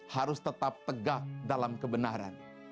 harus tetap tegak dalam kebenaran